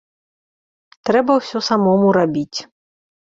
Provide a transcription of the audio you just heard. Трэба ўсё самому рабіць.